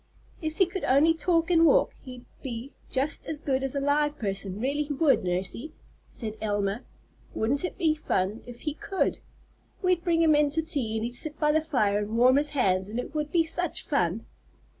"If he could only talk and walk, he'd be just as good as a live person, really he would, Nursey," said Elma. "Wouldn't it be fun if he could! We'd bring him in to tea and he'd sit by the fire and warm his hands, and it would be such fun."